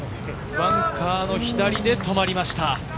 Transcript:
バンカーの左で止まりました。